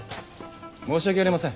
申し訳ありません。